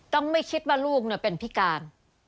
ไม่คิดว่าลูกเป็นพิการ